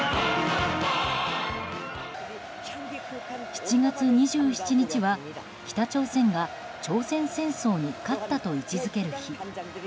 ７月２７日は北朝鮮が朝鮮戦争に勝ったと位置づける日。